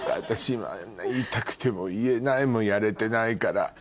私は言いたくても言えないもんやれてないから。